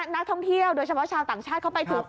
นักท่องเที่ยวโดยเฉพาะชาวต่างชาติเข้าไปถึง